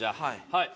はい。